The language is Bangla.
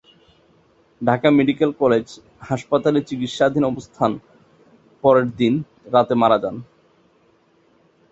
ঢাকা মেডিকেল কলেজ হাসপাতালে চিকিৎসাধীন অবস্থায় পরের দিন রাতে রাতে মারা যায়।